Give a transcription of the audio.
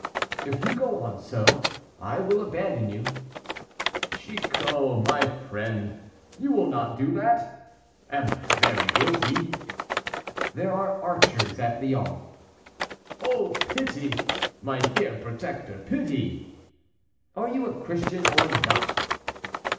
"If you go on so, I will abandon you." "Chicot, my friend, you will not do that? Am I very guilty?" "There are archers at Lyons." "Oh, pity! my dear protector, pity!" "Are you a Christian or not?"